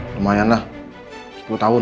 lumayan lah sepuluh tahun